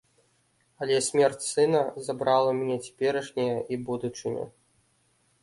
Але смерць сына забрала ў мяне цяперашняе і будучыню.